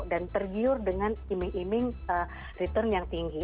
dan tergiur dengan iming iming return yang tinggi